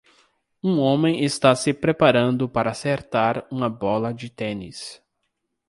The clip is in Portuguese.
Um homem está se preparando para acertar uma bola de tênis.